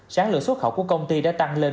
sáng lượng xuất khẩu của công ty đã tăng lên